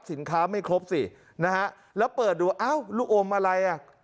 ไม่ครบสินะฮะแล้วเปิดดูอ้าวลูกอมอะไรอ่ะ